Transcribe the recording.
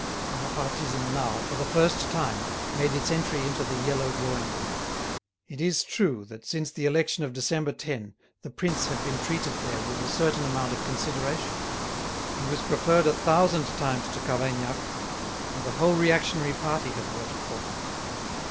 Bonapartism now, for the first time, made its entry into the yellow drawing room. It is true that since the election of December 10 the Prince had been treated there with a certain amount of consideration. He was preferred a thousand times to Cavaignac, and the whole reactionary party had voted for him.